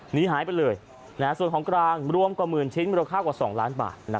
หนีหายไปเลยส่วนของกลางรวมกว่าหมื่นชิ้นมูลค่ากว่า๒ล้านบาท